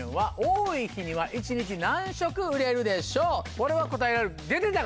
これは答えられる出てたから。